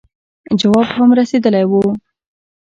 جواب هم رسېدلی وو.